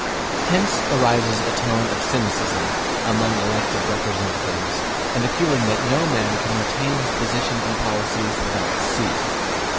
Hence arises a tone of cynicism among elected representatives, and a feeling that no man can retain his position in politics without deceit.